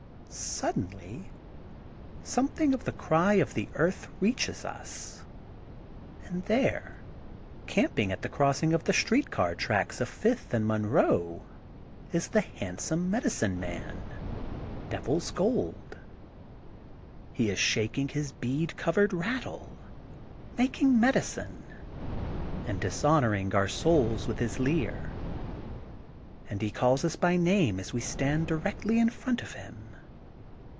Suddenly something oX the cty of the earth reaches us, and there, camping at the crossing of the street car tracks of Fifth and Mon roe is the Handsome Medici; ne Man, Devil's Gold. He is shaking his bead covered rattle, making medicine, and dishonoring our souls with his leer. And he calls us by name as we stand directly in front of him.